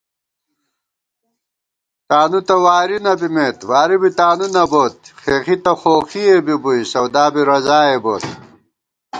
تانُوتہ واری نہ بِمېت واری بی تانُو نہ بوت * خېخی تہ خوخِئےبِبُوئی سودا بی رضائےبوت